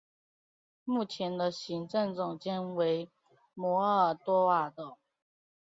目前的行政总监为摩尔多瓦的。